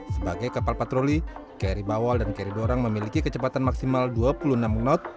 sebagai kapal patroli kri bawal dan kri dorang memiliki kecepatan maksimal dua puluh enam knot